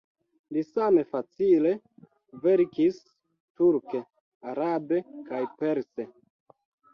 Li same facile verkis turke, arabe kaj perse.